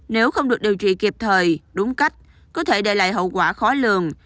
nếu không được điều trị kịp thời đúng cách có thể để lại hậu quả khó lường